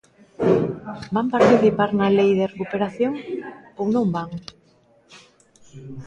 ¿Van participar na Lei de recuperación ou non van?